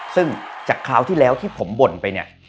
ซึ่งจากคราวที่แล้วที่ผมบ่นไปเนี่ย